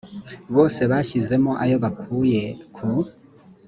bose bashyizemo ayo bakuye ku